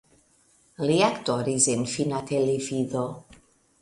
Li aktoris en finna televido.